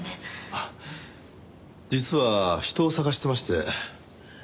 ああ実は人を捜してまして。